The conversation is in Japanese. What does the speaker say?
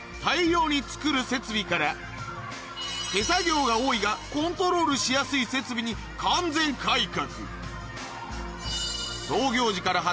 手作業が多いがコントロールしやすい設備に完全改革